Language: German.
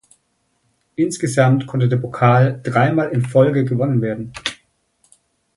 Insgesamt konnte der Pokal dreimal in Folge gewonnen werden.